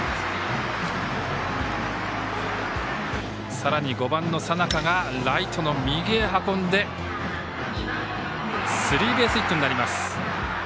さらに５番の佐仲がライトの右に運んでスリーベースヒットになります。